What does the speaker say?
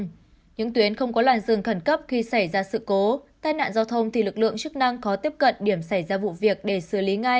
những tuyến không có làn rừng khẩn cấp khi xảy ra sự cố tai nạn giao thông thì lực lượng chức năng khó tiếp cận điểm xảy ra vụ việc để xử lý ngay